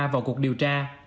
vào cuộc điều tra